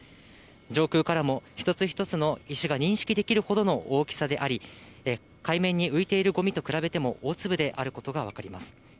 上空からも、一つ一つの石が認識できるほどの大きさであり、海面に浮いているごみと比べても、大粒であることが分かります。